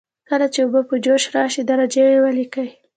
کله چې اوبه په جوش راشي درجه یې ولیکئ.